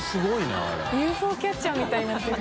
ＵＦＯキャッチャーみたいになってる。